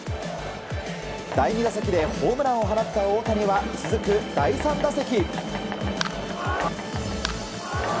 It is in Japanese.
第２打席でホームランを放った大谷は続く第３打席。